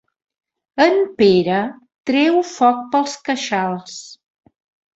El Pere treu foc pels queixals.